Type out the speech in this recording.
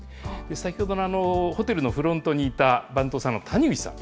先ほどのホテルのフロントにいた番頭さんの谷口さん。